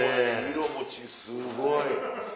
色もすごい！